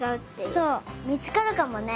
そうみつかるかもね。